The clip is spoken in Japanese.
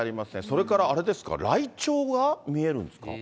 それからあれですか、ライチョウが見えるんですか？